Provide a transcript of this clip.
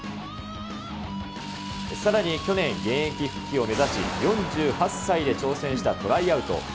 さらに去年、現役復帰を目指し、４８歳で挑戦したトライアウト。